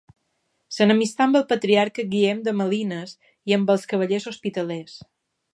S'enemistà amb el patriarca Guillem de Malines i amb els cavallers hospitalers.